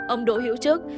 ông đỗ hiễu trước